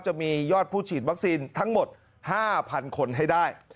จะมียอดผู้ฉีดวัคซีนทั้งหมด๕๐๐๐คนให้ได้